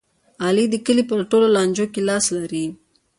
علي د کلي په ټول لانجو کې لاس لري.